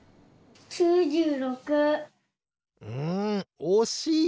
うんおしい！